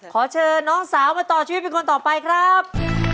ขอเชิญน้องสาวมาต่อชีวิตเป็นคนต่อไปครับ